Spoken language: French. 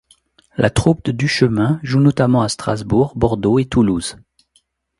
La troupe de Duchemin joue notamment à Strasbourg, Bordeaux et Toulouse.